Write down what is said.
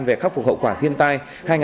về khắc phục hậu quả thiên tai